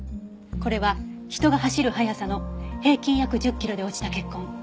これは人が走る速さの平均約１０キロで落ちた血痕。